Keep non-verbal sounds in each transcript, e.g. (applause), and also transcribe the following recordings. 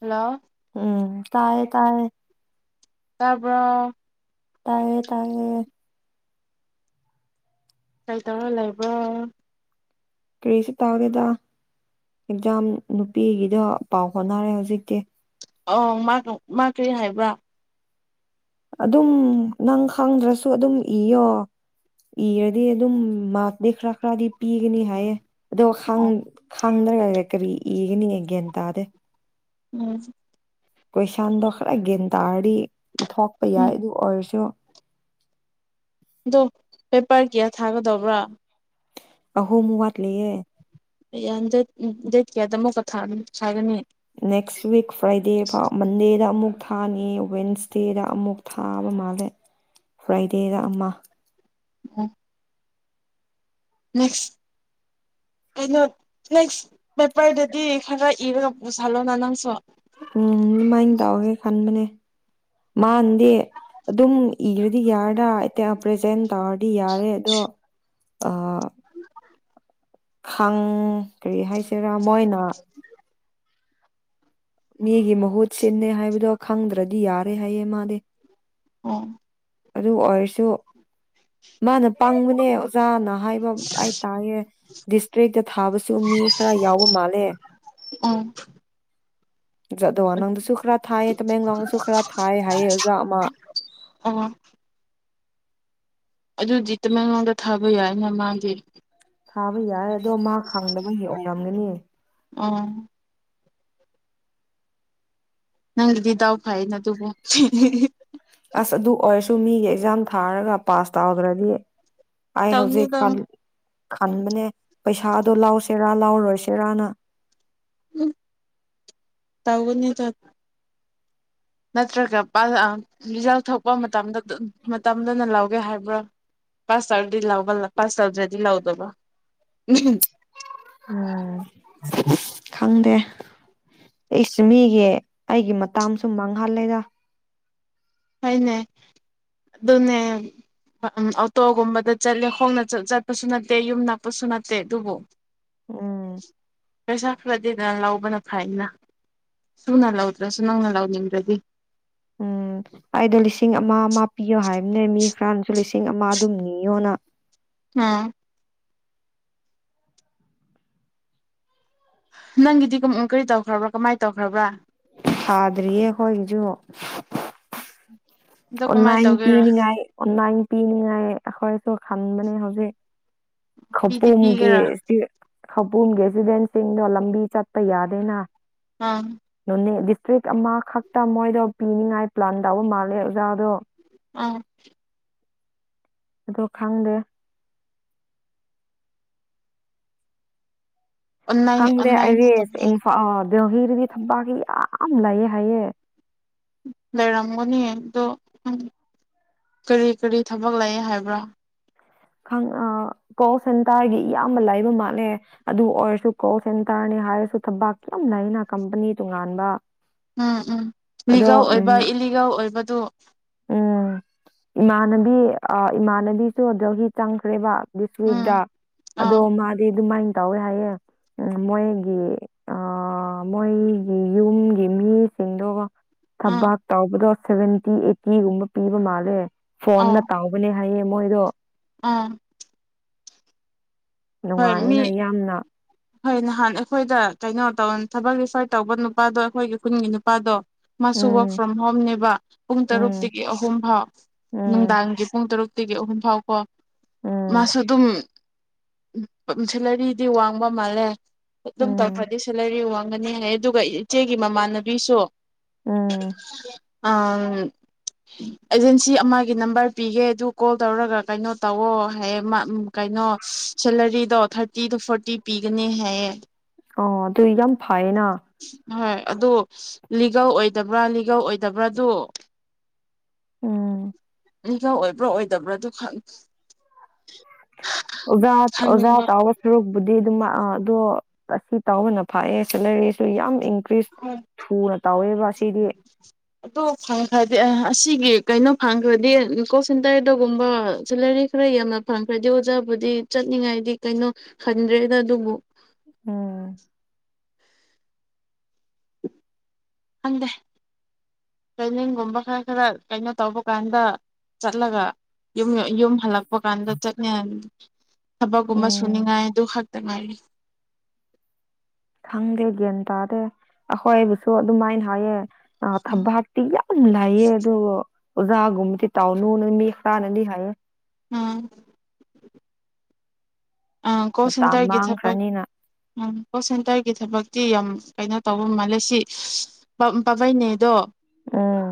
hello ꯎꯝ ꯇꯥꯏꯌꯦ ꯇꯥꯏꯌꯦ ꯇꯥꯕꯔ‌ꯣ ꯇꯥꯏꯌꯦ ꯇꯌꯦ ꯀꯩ ꯇꯧꯔ ꯂꯩꯕ꯭ꯔꯣ ꯀꯔꯤꯁꯨ ꯇꯧꯗꯦꯗ ꯑꯦꯛꯖꯥꯝ ꯅꯨꯄꯤꯒꯤꯗ ꯄꯥꯎ ꯍꯣꯠꯅꯔꯦ ꯍꯧꯖꯤꯛꯇꯤ ꯑ ꯃꯥ ꯀꯔꯤ ꯍꯥꯏꯕ ꯑꯗꯨꯝ ꯅꯪ ꯈꯪꯗ꯭ꯔꯁꯨ ꯑꯗꯨꯝ ꯏꯌꯣ ꯏꯔꯗꯤ ꯑꯗꯨꯝ ꯃꯥꯔꯗꯤ ꯈꯔ ꯈꯔꯗꯤ ꯄꯤꯒꯅꯤ ꯍꯥꯏꯌꯦ ꯑꯗꯣ ꯈꯥꯡꯗ꯭ꯔꯒ ꯀꯔꯤ ꯏꯒꯅꯤꯒ ꯒꯤꯦꯟꯇꯥꯗ ꯎꯝ ꯀꯣꯏꯁꯥꯟꯗꯣꯈꯔꯒ ꯒꯤꯟ ꯇꯥꯔꯤ ꯏꯊꯣꯛꯄ ꯎꯝ ꯌꯥꯏ ꯑꯗꯨ ꯑꯣꯏꯔꯁꯨ ꯑꯗꯣ ꯄꯦꯄꯔ ꯀꯌꯥ ꯊꯥꯒꯗꯧꯕ꯭ꯔꯥ ꯑꯍꯣ ꯃꯨ ꯋꯥꯠꯂꯤꯌꯦ ꯌꯥꯗꯦ ꯗꯦꯠ ꯀꯌꯥꯗ ꯑꯃꯨꯛꯀ ꯊꯥꯒꯅꯤ ꯅꯦꯛꯁ ꯋꯤꯛ ꯐ꯭ꯔꯥꯏꯗꯦ ꯐꯥꯎ ꯃꯟꯗꯦꯗ ꯑꯃꯨꯛ ꯊꯥꯅꯤ ꯋꯦꯟꯁꯗꯦꯗ ꯑꯃꯨꯛ ꯊꯥꯕ ꯃꯥꯜꯂꯦ ꯐ꯭ꯔꯥꯏꯗꯦꯗ ꯑꯃ ꯎ ꯅꯦꯛꯁ ꯀꯩꯅꯣ ꯅꯦꯛꯁ ꯄꯦꯄꯔꯗꯗꯤ ꯈꯔ ꯏꯔꯒ ꯄꯨꯁꯜꯂꯣꯅ ꯅꯪꯁꯨ ꯎꯝ ꯑꯗꯨꯃꯥꯏꯅ ꯇꯧꯔꯒꯦ ꯈꯟꯕꯅꯦ ꯃꯥ ꯑꯗꯨꯝ ꯏ ꯑꯗꯨꯗꯤ ꯌꯥꯔꯗꯇ ꯄ꯭ꯔꯖꯦꯟ ꯇꯧꯔꯗꯤ ꯌꯥꯔꯦ ꯑꯗꯣ ꯑ (unintelligible) ꯍꯪ ꯀꯔꯤ ꯍꯥꯏꯁꯤꯔꯥ ꯃꯣꯏꯅ ꯃꯤꯒꯤ ꯃꯍꯨꯠ ꯁꯤꯟꯅꯦ ꯍꯥꯏꯕꯗꯣ ꯈꯪꯗ꯭ꯔꯗꯤ ꯌꯥꯔꯦ ꯍꯥꯏꯌꯦ ꯃꯥꯗꯤ ꯎ ꯑꯗꯨ ꯑꯣꯏꯔꯁꯨ ꯃꯥꯅ ꯄꯥꯡꯕꯅꯦ ꯑꯣꯖꯥꯅ ꯍꯥꯏꯕ ꯑꯩ ꯇꯥꯛꯑꯦ ꯗꯤꯁꯇ꯭ꯔꯤꯛꯇ ꯊꯥꯕꯁꯨ ꯃꯤ ꯈꯔ ꯌꯥꯎꯕ ꯃꯥꯜꯂꯦ ꯎꯝ ꯑꯣꯖꯥ ꯑꯗꯣꯋꯥ ꯅꯪꯗꯁꯨ ꯈꯔ ꯊꯥꯏꯌꯦ ꯇꯃꯦꯡꯂꯣꯡꯗꯁꯨ ꯈꯔ ꯊꯥꯏ ꯍꯥꯏꯌꯦ ꯑꯣꯖꯥ ꯑꯃ ꯑ ꯑꯗꯨꯗꯤ ꯇꯃꯦꯡꯂꯣꯡꯗ ꯊꯥꯕ ꯌꯥꯏꯅ ꯃꯥꯗꯤ ꯊꯥꯕ ꯌꯥꯏ ꯑꯗꯣ ꯃꯥ ꯈꯪꯗꯕ ꯍꯦꯛꯧꯂꯝꯒꯅꯤ ꯑꯣ ꯅꯪꯒꯤꯗꯤ ꯗꯥꯎ ꯐꯩꯅ ꯑꯗꯨꯕꯨ ꯑꯁ ꯑꯗꯨ ꯑꯣꯏꯔꯁꯨ ꯃꯤꯒꯤ ꯑꯦꯛꯖꯥꯝ ꯊꯥꯔꯒ ꯄꯥꯁ ꯇꯧꯗ꯭ꯔꯗꯤ ꯑꯩ ꯍꯧꯖꯤꯛ ꯇꯧꯅꯤꯗ ꯈꯜ ꯈꯟꯕꯅꯦ ꯄꯩꯁꯥꯗꯣ ꯂꯥꯎꯁꯦꯔꯥ ꯂꯥꯎꯔꯣꯏꯁꯤꯦꯔꯥꯅ ꯎ ꯇꯎꯒꯟ ꯌꯦ ꯇ ꯅꯠꯇ꯭ꯔꯒꯥꯁ ꯔꯤꯖꯜ ꯊꯣꯛꯄ ꯃꯇꯝꯗ ꯃꯇꯝꯗꯅ ꯂꯧꯒꯦ ꯍꯥꯏꯕ꯭ꯔꯥ ꯄꯥꯁ ꯇꯔꯗꯤ ꯂ ꯄꯥꯁ ꯇꯔꯗ꯭ꯔꯗꯤ ꯂꯧꯗꯕ ꯎ ꯎꯝ ꯈꯪꯗꯦ ꯑꯩꯁ ꯃꯤꯒꯤ ꯑꯩꯒꯤ ꯃꯇꯁꯨ ꯃꯥꯡꯍꯜꯂꯦꯗ ꯍꯣꯏꯅꯦ ꯑꯗꯨꯅꯦ ꯑꯣꯇꯣꯒꯨꯝꯕꯗ ꯆꯠꯂꯦ ꯈꯣꯡꯅ ꯆꯠꯄꯁꯨ ꯅꯠꯇꯦ ꯌꯨꯝ ꯅꯛꯄꯁꯨ ꯅꯠꯇꯦ ꯑꯗꯨꯕꯨ ꯎꯝ ꯄꯩꯁꯥ ꯈꯔꯗꯤ ꯅꯪ ꯂꯧꯕꯅ ꯐꯥꯏꯅ ꯁꯨꯅ ꯂꯧꯗ꯭ꯔꯁꯨ ꯅꯪꯅ ꯂꯧꯅꯤꯡꯗ꯭ꯔꯗꯤ ꯎꯝ ꯑꯩꯗꯣ ꯂꯤꯁꯤꯡ ꯑꯃ ꯑꯃ ꯄꯤꯌꯣ ꯍꯥꯏꯕꯅꯦ ꯃꯤ ꯈꯔꯅꯁꯨ ꯂꯤꯁꯤꯡ ꯑꯃ ꯑꯗꯨꯝ ꯅꯤꯌꯣꯅ ꯑꯥ ꯅꯪꯒꯤꯗꯤ ꯀꯃ ꯀꯔꯤ ꯇꯧꯈ꯭ꯔꯕ꯭ꯔꯥ ꯀꯃꯥꯏꯅ ꯇꯧꯈ꯭ꯔꯕ꯭ꯔꯥ ꯊꯥꯗ꯭ꯔꯤꯌꯦ ꯑꯩꯈꯣꯏꯒꯤꯁꯨ ꯎꯝ ꯑꯣꯟꯂꯥꯏꯟ ꯄꯤꯅꯤꯉꯥꯏ ꯑꯣꯟꯂꯥꯏꯟ ꯄꯅꯤꯅꯨꯡꯉꯥꯏ ꯑꯈꯔꯁꯨ ꯈꯥꯟ ꯃ ꯍꯧꯖꯤꯦ ꯈꯄꯣ ꯄꯤꯗꯤ ꯃꯒꯦ ꯄꯤꯒꯦꯔꯥ ꯁꯤ ꯈꯄꯟꯒꯤꯁꯤꯗꯦꯟꯁꯤꯡꯗꯣ ꯂꯝꯕꯤ ꯆꯠꯄ ꯌꯥꯗꯦꯅ ꯑꯥ ꯅꯟꯅꯦ ꯇ꯭ꯔꯤꯛ ꯑꯃꯈꯛꯇ ꯃꯣꯏꯗꯣ ꯄꯤꯅꯤꯉꯥꯏ ꯄ꯭ꯂꯥꯟ ꯇꯧꯕ ꯃꯥꯜꯂꯦ ꯑꯣꯖꯥꯗꯣ ꯑꯥ ꯑꯗꯣ ꯈꯪꯗꯦ ꯑꯣꯟꯂꯥꯏꯟ ꯍꯪꯗꯦ ꯑ ꯑꯣꯟꯂꯥꯏꯟ ꯇꯧ ꯏꯐ ꯣ ꯍꯤꯔꯗꯤ ꯊꯝꯄꯥꯛꯀꯤ ꯌꯥꯝ ꯂꯩꯥꯏꯌꯦ ꯍꯥꯏꯌꯦ ꯂꯩꯔꯝꯒꯅꯤ ꯑꯗꯣ ꯀꯔꯤ ꯀꯔꯤ ꯊꯕꯛ ꯂꯩ ꯍꯥꯏꯕ꯭ꯔꯥ ꯀꯣꯜ ꯁꯦꯟꯇꯔꯒꯤ ꯏꯌꯥꯝꯕ ꯂꯩꯕ ꯃꯥꯜꯂꯦ ꯑꯗꯨ ꯑꯣꯏꯔꯁꯨ ꯀꯣꯜ ꯁꯦꯟꯇꯔꯅꯤ ꯍꯥꯏꯔꯁꯨ ꯊꯕꯛ ꯀ ꯌꯥꯝ ꯂꯩꯅ ꯀꯝꯄꯅꯤ ꯇꯣꯉꯥꯟꯕ ꯎꯝ ꯎꯝ ꯑꯗꯣ ꯂꯤꯒꯜ ꯎꯝ ꯑꯣꯏꯕ ꯏꯂꯤꯒꯜ ꯑꯣꯏꯕꯗꯨ ꯎꯝ ꯏꯃꯥꯟꯅꯕꯤ ꯑ ꯏꯃꯥꯟꯅꯕꯤꯁꯨ ꯑꯣꯗ꯭ꯔꯒꯤ ꯆꯪꯈ꯭ꯔꯦꯕ ꯎꯝ ꯁꯗ ꯑꯗꯣ ꯑꯥ ꯃꯥꯗꯤ ꯑꯗꯨ ꯃ ꯇꯧꯋꯦ ꯍꯥꯏꯌꯦꯦ ꯎ ꯃꯣꯏꯒꯤ ꯑ ꯃꯣꯏꯒꯤ ꯌꯨꯝꯒꯤ ꯃꯤꯁꯤꯡꯗꯨꯒ ꯎꯝ ꯊꯕꯑꯥꯛꯇꯥ ꯑꯣꯕꯗꯣ ꯁꯕꯦꯟꯇꯤ ꯑꯩꯠꯇꯤꯒꯨꯝꯕ ꯄꯤꯕ ꯃꯥꯜꯂꯦ ꯑꯣ ꯐꯣꯟꯅ ꯇꯥꯎꯕꯅꯦ ꯍꯥꯏꯌꯦ ꯃꯣꯏ ꯗꯣ ꯑꯥ ꯍꯣꯏ ꯃꯤ ꯅꯨꯡꯉꯥꯏꯅ ꯌꯥꯝꯅ ꯍꯣꯏ ꯅꯍꯥꯟ ꯑꯩꯈꯣꯏꯗ ꯀꯩꯅꯣ ꯇꯧ ꯊꯕꯛ ꯔꯤꯐꯔ ꯇꯧꯕ ꯅꯨꯄꯥꯗꯣ ꯑꯩꯈꯣꯏꯒꯤ ꯈꯨꯟꯒꯤ ꯅꯨꯄꯥꯗꯣ ꯃꯥꯁꯨ ꯔꯛ ꯎꯝ ꯐ꯭ꯔꯣꯝ ꯍꯣꯝꯅꯦꯕ ꯄꯨꯡ ꯎꯝ ꯇꯔꯨꯛꯇꯒꯤ ꯑꯍꯨꯝ ꯐꯥꯎ ꯎꯝ ꯅꯨꯡꯗꯥꯡꯒꯤ ꯄꯨꯡ ꯇꯔꯨꯛ ꯒꯤ ꯑꯍꯨꯝ ꯐꯥꯎꯀꯣ ꯎꯝ ꯃꯥꯁꯨ ꯑꯗꯨꯝ ꯁꯦꯂꯔꯤꯗꯤ ꯋꯥꯡꯕ ꯃꯥꯜꯂꯦ ꯑꯗꯨꯝ ꯎꯝ ꯇꯧꯈ꯭ꯔꯗꯤ ꯁꯦꯂꯔꯤ ꯋꯥꯡꯒꯅꯤ ꯍꯥꯏ ꯑꯗꯨꯒ ꯏꯆꯦꯒꯤ ꯃꯃꯥꯟꯅꯕꯤꯁꯨ ꯑꯝ ꯑꯦꯖꯦꯟꯁꯤ ꯑꯃꯒꯤ ꯅꯝꯕꯔ ꯄꯤꯒꯦ ꯑꯗꯨ ꯀꯣꯜ ꯇꯧꯔꯒ ꯀꯩꯅꯣ ꯇꯧꯋ ꯍꯥꯏꯌꯦ ꯀꯩꯅꯣ ꯁꯦꯂꯔꯤꯗꯣ ꯊꯥꯔꯇꯤ ꯇꯨ ꯐꯣꯔꯇꯤ ꯄꯤꯒꯅꯤ ꯍꯥꯏꯌꯦ ꯑꯣ ꯑꯗꯨ ꯌꯥꯝ ꯐꯥꯏꯌꯦꯅ ꯍꯣꯏ ꯑꯗꯨ ꯂꯤꯒꯜ ꯑꯣꯏꯗꯕ꯭ꯔꯥ ꯂꯤꯒꯜ ꯑꯣꯏꯗꯕ꯭ꯔꯥꯗꯣ ꯎꯝ ꯅꯤꯡꯖ ꯑꯣꯏꯕ꯭ꯔꯥ ꯑꯣꯏꯗꯕ꯭ꯔꯥ ꯑꯗꯨ ꯈꯪ ꯑꯣꯖꯥ ꯑꯣꯖꯥ ꯈꯪꯅꯤꯡꯕ ꯑꯥꯎ ꯁꯔꯨꯛ ꯕꯨꯗꯤ ꯑꯗꯨ ꯑꯥ ꯑꯗꯣ ꯁꯤ ꯇꯥꯎꯕꯅ ꯐꯥꯛꯑꯦ ꯁꯤ ꯂꯩꯔꯦꯁꯨ ꯌꯥꯝ ꯏꯪ ꯑꯗꯨ ꯐꯪꯈ꯭ꯔꯗꯤꯦ ꯑꯁꯤꯒꯤ ꯀꯩꯅꯣ ꯐꯪꯈ꯭ꯔꯗꯤ ꯀꯣꯜ ꯁꯦꯟꯇꯔꯗꯒꯨꯝꯕ ꯁꯦꯂꯔꯤ ꯈꯔ ꯌꯥꯝꯅ ꯐꯪꯈ꯭ꯔꯗꯤ ꯑꯣꯖꯥꯕꯨꯗꯤ ꯆꯠꯅꯤꯡꯉꯥꯏꯗꯤ ꯀꯩꯅꯣ ꯈꯟꯗ꯭ꯔꯦꯗ ꯑꯗꯨꯕꯨ ꯎꯝ ꯈꯪꯗꯦ ꯇ꯭ꯔꯦꯅꯤꯡꯒꯨꯝꯕ ꯈꯔ ꯈꯔ ꯀꯩꯅꯣ ꯇꯧꯕ ꯀꯥꯟꯗ ꯆꯠꯂꯒ ꯌ ꯌꯨꯝ ꯍꯜꯂꯛꯄ ꯀꯥꯟꯗ ꯆꯠꯅꯤ ꯊꯕꯛꯀꯨꯝꯕ ꯎꯝ ꯁꯨꯅꯤꯡꯉꯥꯏ ꯑꯗꯨ ꯍꯛ ꯇꯔꯤ ꯈꯪꯗꯦ ꯒ꯭ꯌꯥꯟ ꯇꯥꯗꯦ ꯑꯩꯈꯣꯏꯕꯨꯁꯨ ꯑꯗꯨꯃꯥꯏꯅ ꯍꯥꯏꯌꯦ ꯑ ꯊꯕꯇꯤ ꯌꯥꯝ ꯂꯌꯦꯦ ꯑꯗꯨ ꯑꯣꯖꯒꯨꯝꯃꯤ ꯇ ꯇꯅꯨ ꯃꯤ ꯍꯔꯥꯅꯗꯤ ꯍꯥꯏꯌꯦ ꯎꯝ ꯑ ꯀꯣ ꯃꯇꯝ ꯁꯦꯟꯇꯔꯒꯤ ꯊꯕꯛ ꯃꯥꯡꯈ꯭ꯔꯅꯤꯅ ꯎꯝ ꯀꯣꯜ ꯁꯦꯟꯇꯔꯒꯤ ꯊꯕꯛꯇꯤ ꯌꯥꯝ ꯀꯩꯅꯣ ꯇꯧꯕ ꯃꯥꯜꯂꯦ ꯁꯤ ꯄꯥꯕꯩꯅꯦꯗꯣ ꯑꯥ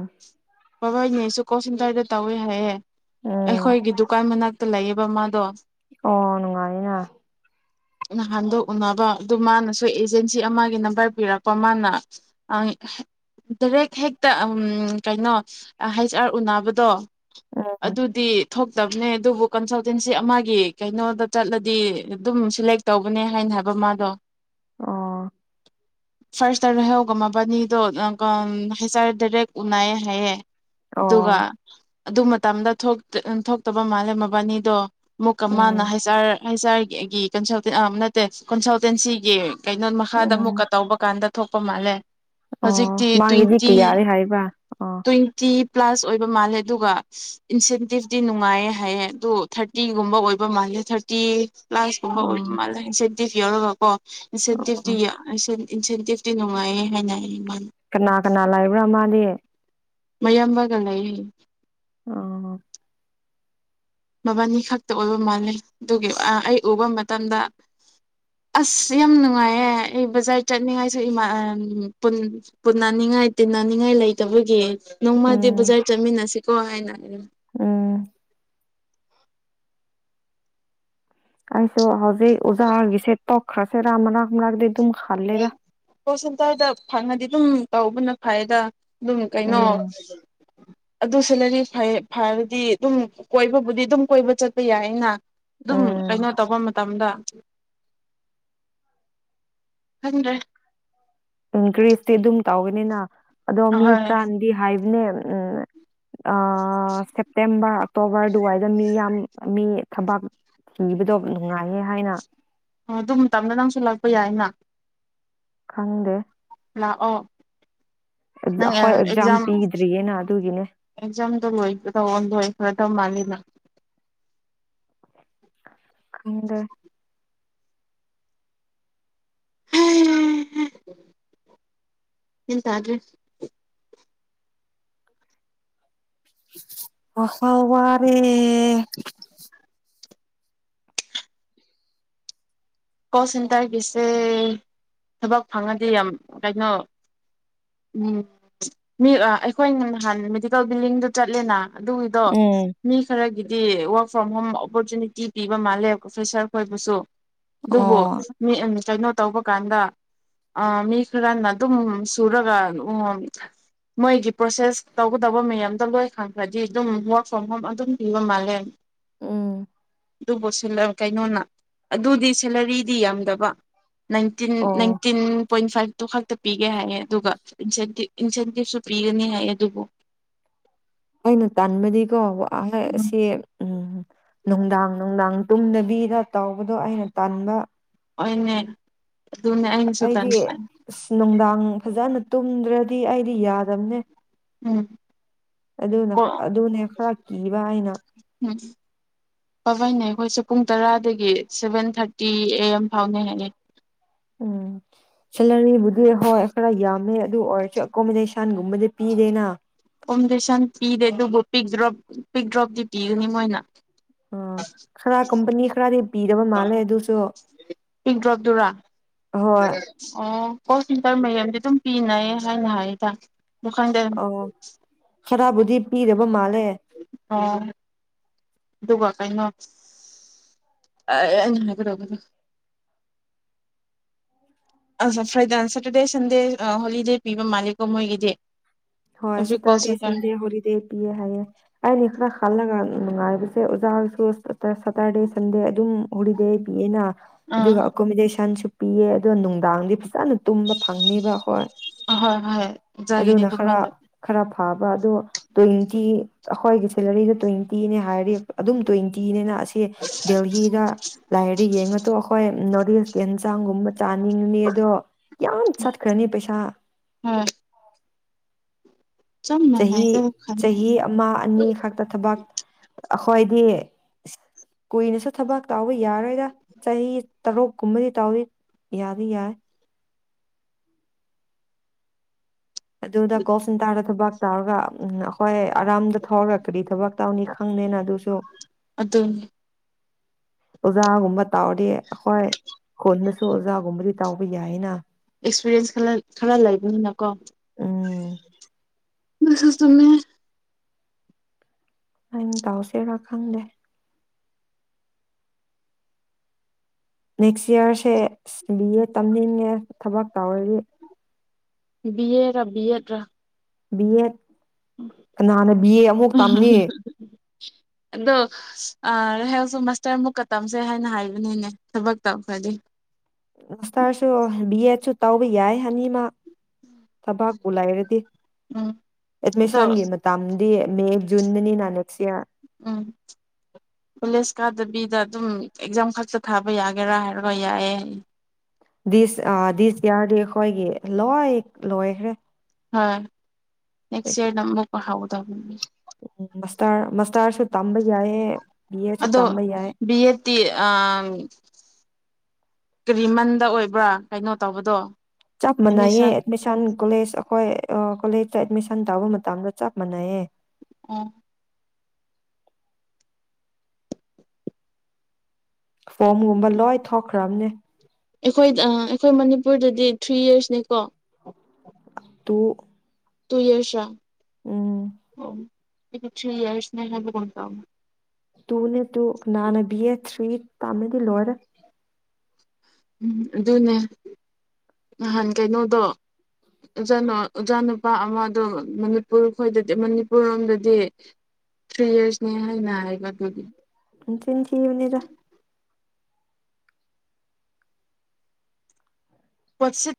ꯕꯕꯥꯣꯏꯅꯦ ꯑꯩꯁꯨ ꯀꯣꯛ ꯁꯦꯟꯇꯔꯗ ꯇꯧꯋꯦ ꯍꯥꯏꯌꯦꯦ ꯎꯝ ꯑꯩꯈꯣꯏꯒꯤ ꯗꯨꯀꯥꯟ ꯃꯅꯥꯛ ꯂꯩꯌꯦꯕ ꯃꯥꯗꯣ ꯑꯣ ꯅꯨꯡꯉꯥꯏꯅ ꯅꯍꯥꯟꯗꯣ ꯎꯅꯕ ꯑꯗꯨ ꯃꯥꯅꯁꯨ ꯑꯦꯖꯦꯟꯁꯤ ꯑꯃꯒꯤ ꯅꯝꯕꯔ ꯄꯤꯔꯛꯄ ꯃꯥꯅ ꯗꯥꯏꯔꯦꯛ ꯍꯦꯛꯇ ꯀꯩꯅꯣ ꯍꯩꯁ ꯑꯥꯔ ꯎꯅꯕꯗꯣ ꯎꯝ ꯑꯗꯨꯗꯤ ꯊꯣꯛꯇꯕꯅꯦ ꯑꯗꯨꯕꯨ ꯀꯟꯁꯜꯇꯦꯟꯁꯤ ꯑꯃꯒꯤ ꯀꯩꯅꯣꯗ ꯆꯠꯂꯗꯤ ꯑꯗꯨꯝ ꯁꯦꯂꯦꯛ ꯇꯧꯕꯅꯦ ꯍꯥꯏꯅ ꯍꯥꯏꯕ ꯃꯥꯗꯣ ꯑ ꯐꯥꯔꯁꯇ ꯔꯣꯏꯍꯧꯒꯝꯃꯕꯥꯅꯤꯗꯣ ꯍꯥꯏꯁꯔꯦ ꯗꯥꯏꯔꯦꯛ ꯎꯅꯩꯌꯦ ꯍꯥꯏꯌꯦ ꯑꯗꯨꯒ ꯑꯣ ꯑꯗꯨ ꯃꯇꯝꯗ ꯊꯣꯛꯇꯕ ꯃꯥꯜꯂꯦ ꯃꯕꯥꯅꯤꯗꯣ ꯃꯨꯛꯀ ꯃꯥꯅ ꯎꯝ ꯍꯥꯏꯩꯁꯥꯔ ꯍꯥꯏꯖꯔꯒꯦ ꯑꯩꯒꯤ ꯀꯟꯁꯜꯇꯦꯟ ꯑ ꯅꯠꯇꯦ ꯀꯟꯁꯜꯇꯦꯟꯁꯤꯒꯤ ꯀꯩꯅꯣ ꯃꯈꯥꯗ ꯎꯝ ꯑꯃꯨꯛꯀ ꯇꯧꯕ ꯀꯥꯟꯗ ꯊꫭꯛꯄ ꯃꯥꯜꯂꯦ ꯑꯣ ꯍꯧꯖꯤꯛꯇꯤ ꯃꯥꯒꯤꯗꯤ ꯇ꯭ꯋꯦꯟꯇꯤ ꯀꯌꯥꯔꯦ ꯍꯥꯏꯕ ꯑꯣ ꯇ꯭ꯋꯦꯟꯇꯤ ꯄ꯭ꯂꯥꯁ ꯑꯣꯏꯕ ꯃꯥꯜꯂꯦ ꯑꯗꯨꯒ ꯏꯟꯁꯦꯟꯇꯤꯞꯇꯤ ꯅꯨꯡꯉꯥꯏꯌꯦ ꯍꯥꯏꯌꯦ ꯑꯗꯨ ꯊꯥꯔꯇꯤꯒꯨꯝꯕ ꯑꯣꯏꯕ ꯃꯥꯜꯂꯦ ꯊꯥꯔꯇꯤ ꯑꯣ ꯍꯣ ꯃꯥꯜ (unintelligible) ꯑꯣ ꯑꯣ ꯏꯟꯁꯦꯟꯇꯚ ꯏ ꯏꯟꯁꯦꯟꯇꯤꯞꯇꯤ ꯅꯨꯡꯉꯥꯏꯌꯦ ꯍꯥꯏꯅ ꯑꯩ ꯃꯥ ꯀꯅꯥ ꯀꯅꯥ ꯂꯩꯕ꯭ꯔꯥ ꯃꯥꯗꯤ ꯃꯌꯥꯝꯕꯒ ꯂꯩ ꯑ ꯃꯕꯥꯅꯤ ꯈꯛꯇ ꯑꯣꯏꯕ ꯃꯥꯜꯂꯦ ꯑꯗꯨꯒꯤ ꯑꯩ ꯎꯕ ꯃꯇꯝꯗ ꯑꯁ ꯌꯥꯝ ꯅꯨꯡꯉꯥꯏꯌꯦꯦ ꯑꯩ ꯕꯖꯥꯔ ꯆꯠꯅꯤꯡꯉꯥꯏꯁꯨꯃꯥ ꯄꯨꯟꯅꯅꯤꯡꯉꯥꯏ ꯇꯤꯟꯅꯅꯤꯡꯉꯥꯏ ꯂꯩꯇꯕꯒꯤ ꯅꯣꯡꯃꯗꯤ ꯕꯖꯥꯔ ꯆꯠꯃꯤꯟꯅꯁꯤ ꯀꯍꯦꯅ ꯎꯝ ꯑꯩꯁꯨꯣ ꯍꯧꯖꯤꯦ ꯑꯣꯖꯥꯔꯒꯁꯦ ꯇꯈ꯭ꯔꯥꯁꯦ ꯔꯝ ꯔꯥꯝ ꯔ ꯁꯇꯗ ꯐꯪꯗꯤ ꯑꯗꯨꯝ ꯇꯧꯕꯅ ꯐꯗ ꯑꯗꯨꯝ ꯀꯩꯅꯣ ꯎꯝ ꯑꯗꯨꯁꯨꯂꯔꯤ ꯐꯕꯗꯤ ꯑꯗꯨꯝ ꯀꯣꯏꯕꯕꯨꯗꯤ ꯑꯗꯨꯝ ꯀꯣꯏꯕ ꯆꯠꯄ ꯌꯥꯏꯩꯅ ꯑꯗꯨꯝ ꯎꯝ ꯀꯩꯅꯣ ꯇꯧꯕ ꯃꯇꯝꯗ ꯍ ꯊꯗ꯭ꯔꯔꯤ ꯎꯝ ꯀ꯭ꯔꯤꯁꯇꯤ ꯑꯗꯨꯝ ꯇꯧꯒ ꯑꯅꯤꯅ ꯑꯗꯣ ꯃꯤ ꯑꯍꯣꯏ ꯈꯔꯗꯤ ꯍꯥꯏꯕꯅꯦꯕ ꯎꯝ ꯁꯦꯞꯇꯦꯝꯕꯔ ꯑꯣꯛꯇꯣꯕꯔ ꯑꯗꯨꯋꯥꯏꯗ ꯃꯤ ꯌꯥꯝ ꯃꯤ ꯊꯕꯛ ꯊꯤꯕꯗꯣ ꯅꯨꯡꯉꯥꯏꯌꯦ ꯍꯥꯏꯅ ꯑꯣ ꯑꯗꯨ ꯃꯇꯝꯗ ꯅꯪꯁꯨ ꯂꯥꯛꯄ ꯌꯥꯏꯅ ꯈꯪꯗꯦ ꯂꯥꯛꯑꯣ ꯅꯪ ꯑꯩꯈꯣꯏ ꯑꯦꯛꯖꯥꯝ ꯄꯤꯗ꯭ꯔꯤꯌꯦꯅ ꯑꯗꯨꯒꯤꯅꯦ ꯑꯦꯛꯖꯥꯝꯗꯣ ꯂꯣꯏ ꯇꯧꯗꯣꯏ ꯈꯔ ꯇꯧ ꯃꯥꯜꯜꯂꯤ ꯑ ꯈꯟꯗꯦ ꯎꯝ ꯏꯇꯑ꯭ꯔꯦ ꯍꯍꯋꯥꯔꯦ ꯀꯣꯜ ꯁꯦꯟꯇꯔꯒꯤꯁꯦ ꯊꯕꯛ ꯐꯪꯉꯗꯤ ꯌꯥꯝ ꯀꯩꯅꯣ ꯃꯤ ꯑꯩꯈꯣꯏ ꯅꯍꯥꯟ ꯃꯦꯗꯤꯀꯦꯜ ꯕꯤꯜꯗꯤꯡꯗ ꯆꯠꯂꯦꯅ ꯑꯗꯨꯒꯤꯗꯣ ꯎꯝ ꯃꯤ ꯈꯔꯒꯤꯗꯤ ꯐ꯭ꯔꯣꯝ ꯍꯣꯝ ꯑꯣꯄꯣꯔꯆꯨꯅꯤꯇꯤ ꯄꯤꯕ ꯃꯥꯜꯂꯦ ꯄ꯭ꯔꯣꯐꯦꯁꯥꯔ ꯈꯣꯏꯕꯨꯁꯨ ꯑꯗꯨꯕꯨ ꯑꯣ ꯃꯤ ꯎ ꯀꯩꯅꯣ ꯇꯧꯕ ꯀꯥꯟꯗ ꯃꯤ ꯈꯔꯅ ꯑꯗꯨꯝ ꯁꯨꯔꯒ ꯃꯣꯏꯒꯤ ꯄ꯭ꯔꯣꯁꯦꯁ ꯇꯧꯒꯗꯕ ꯃꯌꯥꯝꯗ ꯂꯣꯏ ꯈꯪꯈ꯭ꯔꯗꯤ ꯑꯗꯨꯝ ꯋꯔꯛ ꯐ꯭ꯔꯣꯝ ꯍꯣꯝ ꯑꯗꯨꯝ ꯄꯤꯕ ꯃꯥꯜꯂꯦ ꯎꯝ ꯑꯗꯨꯕꯨ ꯁꯤ ꯀꯩꯅꯣꯅ ꯑꯗꯨꯗꯤ ꯁꯦꯂꯔꯤꯗꯤ ꯌꯥꯝꯗꯕ ꯅꯥꯏꯟꯇꯤꯟ ꯑꯣ ꯅꯥꯏꯟꯇꯤꯟ ꯄꯣꯏꯟ ꯐꯥꯏꯚꯇꯨ ꯈꯛꯇ ꯄꯤꯒꯦ ꯍꯥꯏꯌꯦ ꯑꯗꯨꯒ ꯏꯟꯁꯦꯟꯇꯤꯞ ꯏꯟꯁꯦꯟꯇꯤꯞꯁꯨ ꯄꯤꯒꯅꯤ ꯍꯥꯏꯌꯦ ꯑꯗꯨꯕꯨ ꯑꯩꯅ ꯇꯟꯕꯗꯤꯀꯣ ꯎꯝ ꯁꯤ ꯎꯝ ꯅꯨꯡꯗꯥꯡ ꯅꯨꯡꯗꯥꯡ ꯇꯨꯝꯗꯕꯤꯗ ꯇꯥꯎꯕꯗꯣ ꯑꯩꯅ ꯇꯥꯟꯕ ꯍꯣꯏꯅꯦ ꯑꯗꯨꯅꯦ ꯑꯩꯅꯁꯨ ꯑꯩꯗꯤ ꯇꯟꯕ ꯑꯁ ꯅꯨꯡꯗꯥꯡ ꯐꯖꯅ ꯇꯨꯝꯗ꯭ꯔꯗꯤ ꯑꯩꯗꯤ ꯌꯥꯗꯕꯅꯦ ꯎꯝ ꯑꯗꯨꯅ ꯀꯣ ꯑꯗꯨꯅꯦ ꯈꯔ ꯀꯤꯕ ꯍꯥꯏꯅ ꯎꯝ ꯄꯥꯕꯩꯅꯦ ꯑꯩꯈꯣꯏꯁꯨ ꯄꯨꯡ ꯇꯔꯥꯗꯒꯤ ꯁꯚꯦꯟ ꯊꯥꯔꯇꯤ ꯑꯦ ꯑꯦꯝ ꯐꯥꯎꯅꯦ ꯍꯥꯏꯅꯩ ꯎꯝ ꯁꯦꯂꯥꯔꯤꯕꯨ ꯍꯣꯏ ꯈꯔ ꯌꯥꯝꯃꯦ ꯑꯗꯨ ꯑꯣꯏ ꯑꯦꯀꯣꯃꯤꯗꯦꯁꯟꯒꯨꯝꯕꯗ ꯄꯤꯗꯦꯅ ꯀꯣꯃꯣꯗꯦꯁꯟ ꯄꯤꯗꯦ ꯑꯗꯨꯕꯨ ꯄꯤꯛ ꯗ꯭ꯔꯣꯞ ꯄꯤꯛ ꯗ꯭ꯔꯣꯞꯇꯤ ꯄꯤꯒꯅꯤ ꯃꯣꯏꯅ ꯑ ꯈꯔꯥ ꯀꯝꯄꯅꯤ ꯈꯔꯥꯗꯤ (unintelligible) ꯍꯣꯏ ꯇꯔ ꯃꯌꯥꯝꯗꯤ ꯑꯗꯨꯝ ꯄꯤꯅꯩ ꯍꯥꯏꯅ ꯍꯥꯏꯗ ꯃꯨꯈꯪꯗꯦ ꯑꯣ ꯈꯔꯕꯨꯗꯤ ꯄꯤꯔꯕ ꯃꯥꯜꯂ ꯑ ꯑꯗꯨꯒ ꯀꯩꯅꯣ (unintelligible) ꯑ ꯐ꯭ꯔꯥꯏꯗ ꯁꯦꯇꯔꯗꯦ ꯁꯟꯗꯦ ꯍꯣꯂꯤꯗꯦ ꯄꯤꯕ ꯃꯥꯜꯂꯦꯀꯣ ꯃꯣꯏꯒꯤꯗꯤ ꯍꯣꯏ ꯑꯦꯕ꯭ꯔꯤ ꯀꯣꯜ ꯁꯇꯔꯗꯦ ꯁꯦꯟꯇꯔ ꯁꯟꯗꯦ ꯍꯣꯂꯤꯗꯦ ꯄꯤꯌꯦ ꯍꯥꯏꯌꯦ ꯑꯩ (unintelligible) ꯅꯨꯡꯉꯥꯏꯕꯁꯦ ꯑꯣꯖꯥꯁꯨ ꯁꯇꯔꯗꯦ ꯁꯟꯗꯦ ꯑꯗꯨꯝ ꯍꯣꯂꯤꯗꯦ ꯄꯤ ꯌꯦꯅꯥ ꯑꯥ ꯑꯗꯨꯒ ꯑꯀꯣꯃꯣꯗꯦꯁꯥꯟꯁꯨ ꯄꯤꯌꯦ ꯑꯗꯣ ꯅꯨꯡꯗꯥꯡꯗꯤ ꯐꯖꯥꯅ ꯇꯨꯝꯕ ꯐꯪꯅꯤꯕ ꯍꯣꯏ ꯍꯣꯏ ꯍꯣꯏ ꯑꯣꯖꯥꯒꯤꯗꯤ ꯑꯗꯨꯅ ꯈꯔ ꯑꯗꯨꯃꯥꯏꯅ ꯇꯧ ꯈꯔ ꯐꯥꯕ ꯑꯗꯣ ꯇ꯭ꯋꯦꯟꯇꯤ ꯑꯩꯈꯣꯏꯒꯤ ꯁꯦꯂꯔꯤꯗ ꯇ꯭ꯋꯦꯟꯇꯤ ꯇꯤꯅꯦ ꯍꯥꯏꯔꯗꯤ ꯑꯗꯨꯝ ꯇ꯭ꯋꯦꯟꯇꯤꯅꯦꯅ ꯑꯁꯤ ꯗꯦꯜꯍꯤꯗ ꯂꯥꯏꯔꯗꯤ ꯌꯦꯡꯉꯣꯇꯣ ꯑꯩꯈꯣꯏ ꯅꯣꯠ ꯌꯦꯟꯁꯥꯡꯒꯨꯝꯕ ꯆꯥꯅꯤꯡꯉꯨꯅꯦ ꯑꯗꯣ ꯌꯥꯝ ꯆꯠꯈ꯭ꯔꯅꯤ ꯄꯩꯁꯥ ꯍꯣꯏ ꯆꯞ ꯆꯍꯤ ꯃꯥꯟꯅꯩꯗ ꯈꯟ ꯆꯍꯤ ꯑꯃ ꯑꯅꯤ ꯈꯛꯇ ꯊꯕꯛ ꯑꯩꯈꯣꯏꯗꯤ ꯀꯨꯏꯅꯁꯨ ꯊꯕꯛ ꯇꯧꯕ ꯌꯥꯔꯣꯏꯗ ꯆꯍꯤ ꯇꯔꯨꯛ ꯀꯨꯝꯕꯗꯤ ꯇꯧꯅꯤ ꯌꯥꯗꯤ ꯌꯥꯏ ꯑꯗꯨꯗ ꯀꯣꯐꯟ ꯇꯥꯔ ꯊꯕ ꯇꯧꯔꯒ ꯎ ꯑꯩꯈꯣꯏ ꯑꯔꯥꯝꯗ ꯊꯧꯔꯒ ꯀꯔꯤ ꯊꯕꯛ ꯇꯧꯅꯤ ꯈꯪꯗꯦꯅ ꯑꯗꯨꯁꯨ ꯑꯗꯨꯗꯅꯦ ꯑꯣꯖꯥꯒꯨꯝꯕ ꯇꯥꯎꯗꯤ ꯍꯣꯏ ꯍꯣꯜ ꯑꯣꯖꯥꯒꯨꯝꯕꯗꯤ ꯇꯥꯎꯕ ꯌꯥꯏꯌꯦꯅ ꯑꯦꯛꯁꯄꯤꯔꯤꯌꯦꯟꯁ ꯈꯔ ꯈꯔ ꯂꯩꯕꯅꯤꯅꯀꯣ ꯎꯝ ꯁ ꯁꯃꯦ ꯑꯩꯅ ꯇꯎꯁꯤꯦꯔꯥ ꯈꯪꯗꯦ ꯅꯦꯛꯁ ꯏꯌꯥꯔꯁꯦ ꯁꯤ ꯕꯤ ꯑꯦ ꯇꯝꯅꯤꯡꯉꯦ ꯊꯕꯛ ꯇꯧꯔꯤꯔꯤ ꯕꯤꯑ ꯔ ꯕꯤꯑꯠ ꯔ ꯕꯤ ꯑꯦꯠ ꯀꯅꯥꯅ ꯕꯤ ꯑꯦ ꯑꯃꯨꯛ ꯇꯝꯅꯤ ꯑꯗꯣ ꯔꯍꯦꯜꯁꯨ ꯃꯥꯁꯇꯔ ꯃꯨꯛꯀ ꯇꯝꯁꯦ ꯍꯥꯏꯅ ꯍꯥꯏꯕꯅꯤꯅꯦ ꯊꯕꯛ ꯇꯧꯈ꯭ꯔꯗꯤ ꯔꯁꯥꯔꯁꯨ ꯌꯦꯁꯨ ꯇꯥꯎꯕ ꯌꯥꯏ ꯍꯥꯏꯅꯤ ꯃꯥ ꯊꯕꯥꯛꯄ ꯂꯩꯥꯏꯔꯗꯤ ꯎꯝ ꯑꯗꯣ ꯑꯦꯠꯃꯦꯁꯥꯟꯒꯤ ꯃꯇꯥ ꯗꯤ ꯃꯦ ꯨꯟꯅꯅꯤ ꯅꯅꯦꯦꯛꯁꯤꯌꯥ ꯎꯝ ꯀꯣꯂꯦꯖ ꯀꯥꯗꯕꯤꯗ ꯑꯗꯨꯝ ꯑꯦꯛꯖꯥꯝ ꯈꯛꯇ ꯊꯥꯕ ꯌꯥꯒꯦꯔꯥ ꯍꯥꯏꯔꯒ ꯌꯥꯏꯌꯦ ꯑꯩ ꯗꯤꯁ ꯑ ꯗꯤꯁꯀꯤꯌꯥꯔꯗꯤ ꯑꯩꯈꯣꯏꯒꯤ ꯂꯣꯏ ꯂꯣꯏꯈ꯭ꯔꯦ ꯍꯥꯣꯏ ꯅꯦꯛꯁ ꯏꯔ ꯅ ꯍꯥꯎ ꯇꯝ ꯎꯝ ꯃꯁ ꯃꯁꯇꯥꯔꯁ ꯇꯝꯕꯩ ꯌꯥꯏꯦ ꯑꯦꯁꯨ ꯑꯗꯣ ꯇꯝꯕ ꯌꯥꯏ ꯕꯤ ꯀꯔꯤꯂꯝꯗ ꯑꯣꯏꯕ꯭ꯔꯥ ꯀꯩꯅꯣ ꯇꯧꯕꯗꯣ ꯆꯞ ꯃꯅꯩꯌꯦ ꯑꯦꯠꯃꯤꯁꯟ ꯀꯣꯂꯦꯖ ꯑꯩꯈꯣꯏ ꯀꯣꯂꯦꯖꯇ ꯑꯦꯗꯃꯤꯁꯟ ꯇꯥꯧꯕ ꯃꯇꯝꯗ ꯆꯞ ꯃꯥꯟꯅꯩꯌꯦ ꯑ ꯐꯣꯝꯒꯨꯝꯕ ꯂꯣꯏ ꯊꯣꯛꯈ꯭ꯔꯕꯅꯦ ꯑꯩꯈꯣꯏꯗ ꯑꯩꯈꯣꯏ ꯃꯅꯤꯄꯨꯔꯗꯗꯤ ꯊ꯭ꯔꯤ ꯌꯔꯁꯅꯤꯀꯣ ꯎꯝ ꯇꯨꯏ ꯑꯁ ꯑ ꯑꯩ ꯊ꯭ꯔꯤ ꯏꯔꯁꯅꯦ ꯍꯥꯏꯕ ꯀꯣꯟ ꯇ ꯇꯨꯅꯦ ꯇꯨꯅꯥꯅꯕꯤ ꯊꯔꯤ ꯇꯃꯗꯤ ꯂꯥꯏꯔꯦ ꯎꯝ ꯑꯗꯨꯅꯦ ꯅꯍꯥꯟ ꯀꯩꯅꯣꯗꯣꯖꯥ ꯑꯣꯖꯥ ꯅꯨꯄꯥ ꯑꯃꯗꯣ ꯃꯅꯤꯄꯨꯔ ꯈꯣꯏꯗꯗꯤ ꯃꯅꯤꯄꯨꯔ ꯂꯣꯝꯗꯗꯤ ꯊ꯭ꯔꯤ ꯌꯔꯁꯅꯦ ꯍꯥꯏꯅ ꯍꯥꯏꯕ ꯑꯗꯨꯒꯤ ꯁꯦ ꯅꯤꯡ ꯊꯕꯔ ꯄꯁꯤ